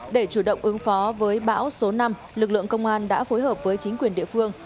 để chủ động ứng phó với bão số năm lực lượng công an đã phối hợp với chính quyền địa phương